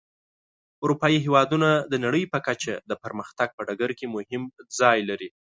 اروپایي هېوادونه د نړۍ په کچه د پرمختګ په ډګر کې مهم ځای لري.